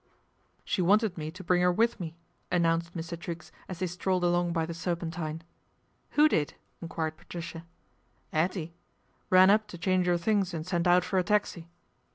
She wanted me to bring 'er with me," an Dunced Mr. Triggs as they strolled along by the ^rpentine. ' Who did ?" enquired Patricia. 1 'Ettie. Ran up to change 'er things and sent at for a taxi."